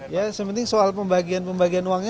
ya sepenting soal pembagian pembagian uangnya